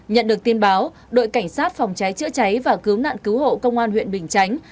nhận được tin báo đội cảnh sát phòng cháy chữa cháy và cứu nạn cứu hộ công an huyện bình chánh